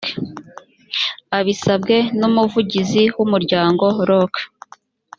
abisabwe n umuvugizi w umuryango rock